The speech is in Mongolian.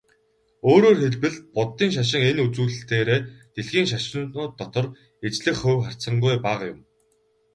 Өөрөөр хэлбэл, буддын шашин энэ үзүүлэлтээрээ дэлхийн шашнууд дотор эзлэх хувь харьцангуй бага юм.